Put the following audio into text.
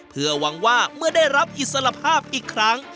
เพื่อหวังว่าเมื่อได้รับอิสระภาพอีกครั้ง